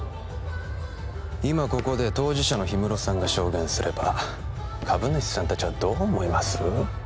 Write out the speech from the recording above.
今ここで当事者のヒムロさんが証言すれば株主さん達はどう思います？